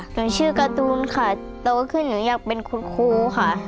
หนูชื่อการ์ตูนค่ะโตขึ้นหนูอยากเป็นคุณครูค่ะ